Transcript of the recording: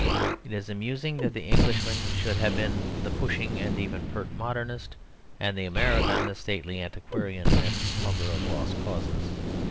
It is amusing that the Englishman should have been the pushing and even pert modernist, and the American the stately antiquarian and lover of lost causes.